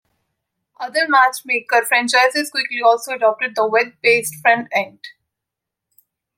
Other Matchmaker franchises quickly also adopted the web based front-end.